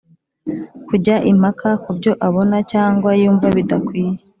Kujya impaka ku byo abona Cyangwa yumva bidakwiye